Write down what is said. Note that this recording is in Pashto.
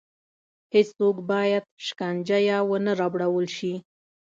هېڅوک باید شکنجه یا ونه ربړول شي.